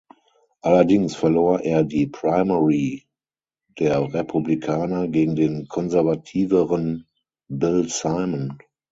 Allerdings verlor er die Primary der Republikaner gegen den konservativeren Bill Simon.